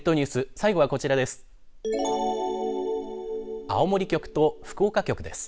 最後はこちらです。